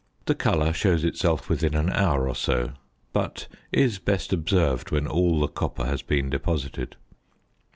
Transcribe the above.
The colour shows itself within an hour or so, but is best observed when all the copper has been deposited.